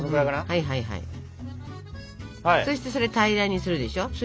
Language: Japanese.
そしてそれ平らにするでしょ。